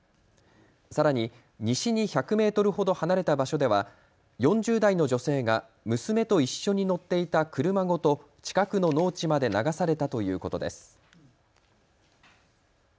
さらに西に１００メートルほど離れた場所では４０代の女性が娘と一緒に乗っていた車ごと近くの農地まで流されたということです。